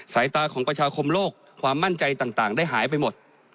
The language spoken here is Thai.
สายตาของประชาคมโลกความมั่นใจต่างได้หายไปหมด